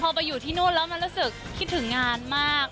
พอไปอยู่ที่นู่นแล้วมันรู้สึกคิดถึงงานมาก